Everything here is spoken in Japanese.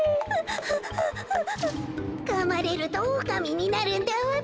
かまれるとおおかみになるんだわべ。